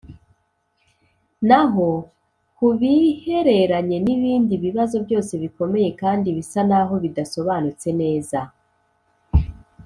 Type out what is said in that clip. Na ho ku bihereranye n ibindi bibazo byose bikomeye kandi bisa n aho bidasobanutse neza